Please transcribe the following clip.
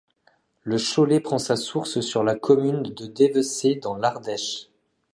Le Cholet prend sa source sur la commune de Devesset dans l'Ardèche.